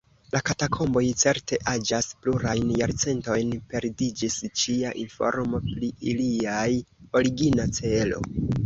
La katakomboj certe aĝas plurajn jarcentojn; perdiĝis ĉia informo pri iliaj origina celo.